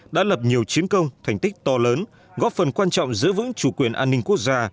đã lập nhiều chiến công thành tích to lớn góp phần quan trọng giữ vững chủ quyền an ninh quốc gia